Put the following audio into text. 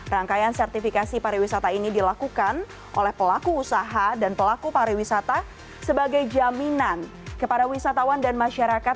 rangkaian sertifikasi pariwisata ini dilakukan oleh pelaku usaha dan pelaku pariwisata sebagai jaminan kepada wisatawan dan masyarakat